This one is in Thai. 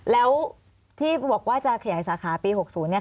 แล้วที่บอกว่าจะขยายสาขาปี๖๐เนี่ย